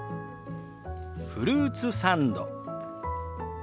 フルーツサンド。